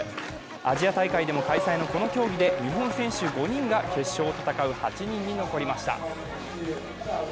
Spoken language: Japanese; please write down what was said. アジア大会でも開催のこの競技で日本選手５人が決勝を戦う８人に残りました。